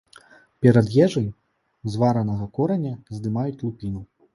Перад ежай з варанага кораня здымаюць лупіну.